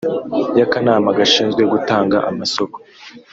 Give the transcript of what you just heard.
Y akanama gashinzwe gutanga amasoko